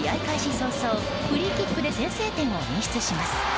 早々、フリーキックで先制点を演出します。